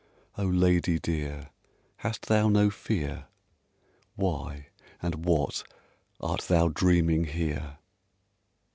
Oh, lady dear, hast thou no fear? Why and what art thou dreaming here?